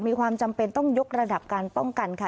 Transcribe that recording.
มีความจำเป็นต้องยกระดับการป้องกันค่ะ